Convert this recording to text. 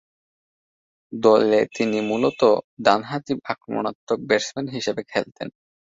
দলে তিনি মূলতঃ ডানহাতি আক্রমণাত্মক ব্যাটসম্যান হিসেবে খেলতেন।